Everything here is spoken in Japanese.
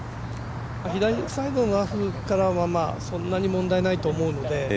左サイドからのラフはそんなに問題ないと思うので。